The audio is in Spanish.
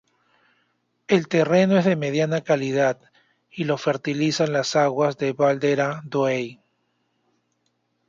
El terreno es de mediana calidad y lo fertilizan las aguas del Valderaduey.